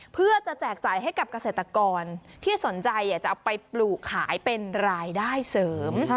เพื่อจะแจกจ่ายให้กับเกษตรกรที่สนใจอยากจะเอาไปปลูกขายเป็นรายได้เสริม